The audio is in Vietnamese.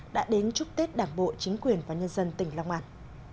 đã đến chúc tết đảng bộ chính quyền và nhân dân tỉnh long an